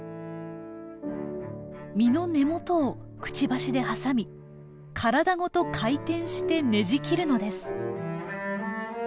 実の根元をくちばしで挟み体ごと回転してねじ切るのです。